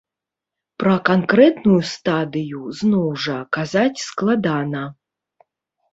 Пра канкрэтную стадыю, зноў жа, казаць складана.